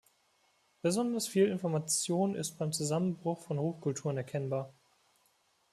Besonders viel Information ist beim Zusammenbruch von Hochkulturen erkennbar.